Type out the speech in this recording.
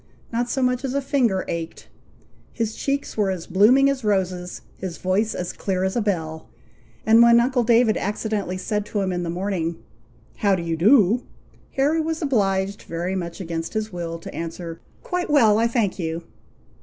Not so much as a finger ached, his cheeks were as blooming as roses, his voice as clear as a bell, and when uncle David accidentally said to him in the morning, "How do you do?" Harry was obliged, very much against his will, to answer, "Quite well, I thank you!"